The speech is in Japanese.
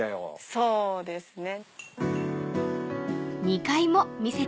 そうですね。